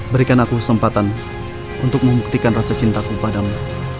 berikan aku kesempatan untuk membuktikan rasa cintaku padamu